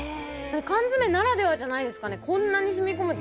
缶詰ならではじゃないですかね。